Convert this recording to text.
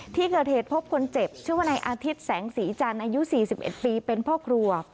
ที่เกิดเหตุพบคนเจ็บชื่อว่าในอาทิตย์แสงสีจันทร์อายุ๔๑ปีเป็นพ่อครัว